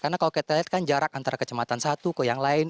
karena kalau kita lihat kan jarak antara kecematan satu ke yang lain